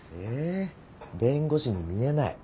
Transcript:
弁護士に見えない。